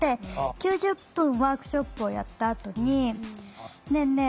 ９０分ワークショップをやったあとに「ねえねえ